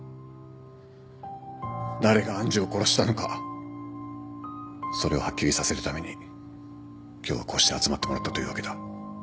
誰が愛珠を殺したのかそれをはっきりさせるために今日はこうして集まってもらったというわけだ。